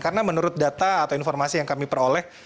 karena menurut data atau informasi yang kami peroleh